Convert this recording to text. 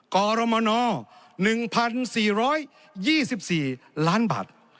กรมน๑๔๒๔ล้านบาท